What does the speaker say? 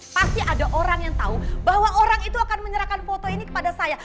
pasti ada orang yang tahu bahwa orang itu akan menyerahkan foto ini kepada saya